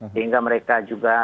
sehingga mereka juga